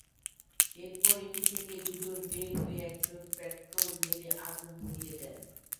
এরপর এটি থেকে দুজন বের হয়ে একজন পেট্রল ঢেলে আগুন ধরিয়ে দেন।